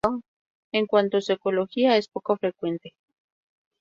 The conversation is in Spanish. En cuanto a su ecología, es poco frecuente.